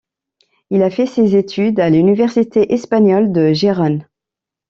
Il a fait ses études à l'université espagnole de Gérone.